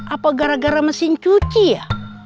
apa gara gara mesin cuci ya